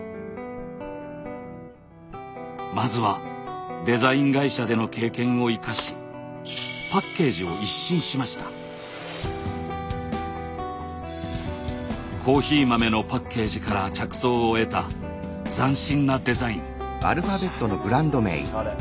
まずはデザイン会社での経験を生かしコーヒー豆のパッケージから着想を得た斬新なデザイン。